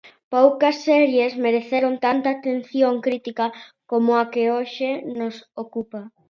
Poucas series mereceron tanta atención crítica como a que hoxe nos ocupa.